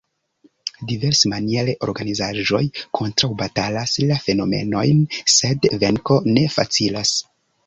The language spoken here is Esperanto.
Diversmaniere organizaĵoj kontraŭbatalas la fenomenojn, sed venko ne facilas.